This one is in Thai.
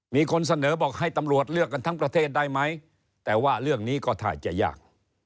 มีคนเสนอบอกให้ตำรวจเลือกกันทั้งประเทศได้ไหมแต่ว่าเรื่องนี้ก็ท่าจะยาก